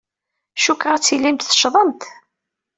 Cikkeɣ ad tilimt teccḍemt.